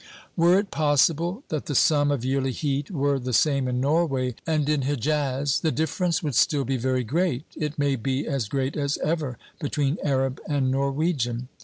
Were it possible that the sum of yearly heat were the same in Norway and in Hejaz, the difiierence would still be very great, it may be as great as ever, between Arab and Norwegian.